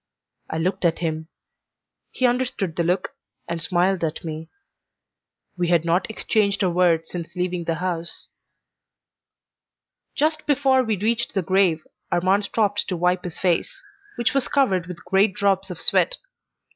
I looked at him. He understood the look, and smiled at me; we had not exchanged a word since leaving the house. Just before we reached the grave, Armand stopped to wipe his face, which was covered with great drops of sweat.